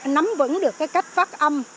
nắm vững được cách phát âm